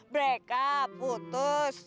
break up putus